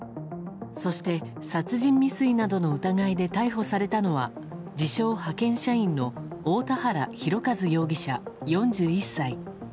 そして殺人未遂などの疑いで逮捕されたのは自称派遣社員の大田原広和容疑者、４１歳。